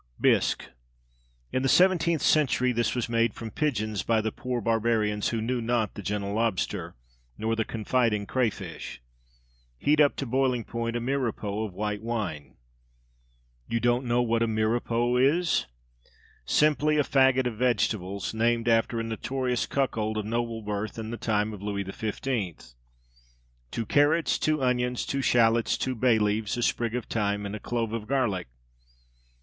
_ Bisque. In the seventeenth century this was made from pigeons by the poor barbarians who knew not the gentle lobster, nor the confiding crayfish. Heat up to boiling point a Mirepoix of white wine. You don't know what a Mirepoix is? Simply a faggot of vegetables, named after a notorious cuckold of noble birth in the time of Louis XV. Two carrots, two onions, two shalots, two bay leaves, a sprig of thyme and a clove of garlic.